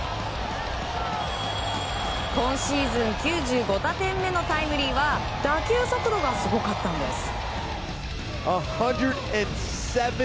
今シーズン、９５打点目のタイムリーは打球速度がすごかったんです。